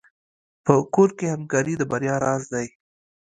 په کور کې همکاري د بریا راز دی.